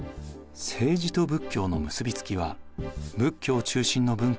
政治と仏教の結び付きは仏教中心の文化を生みました。